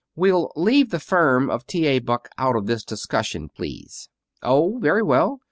"We'll leave the firm of T. A. Buck out of this discussion, please." "Oh, very well!"